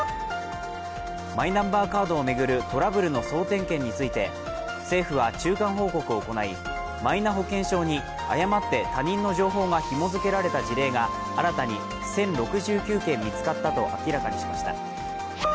マイナンバーカードを巡るトラブルの総点検について政府は中間報告を行いマイナ保険証に誤って、他人の情報がひも付けられた事例が、新たに１０６９件見つかったと明らかにしました。